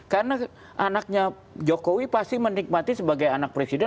karena anaknya jokowi pasti menikmati sebagai anak presiden